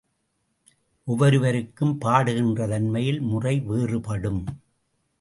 ஒவ்வொருவருக்கும் பாடுகின்ற தன்மையில் முறை வேறுபடும்.